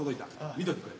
見といてくれ。